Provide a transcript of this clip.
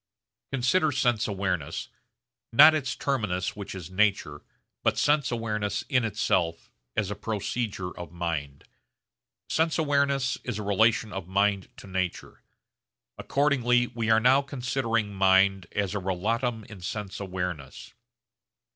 Consider sense awareness not its terminus which is nature, but sense awareness in itself as a procedure of mind. Sense awareness is a relation of mind to nature. Accordingly we are now considering mind as a relatum in sense awareness.